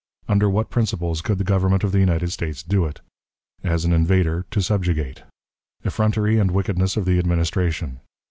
Under what Principles could the Government of the United States do it? As an Invader to subjugate. Effrontery and Wickedness of the Administration.